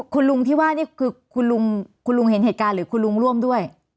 คุณลุงที่ว่านี่คือคุณลุงคุณลุงเห็นเหตุการณ์หรือคุณลุงร่วมด้วย